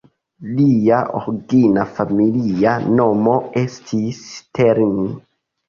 Lia origina familia nomo estis Stern".